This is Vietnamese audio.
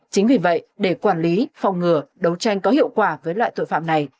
chính vì vậy để quản lý phòng ngừa đấu tranh có hiệu quả với loại tội phạm này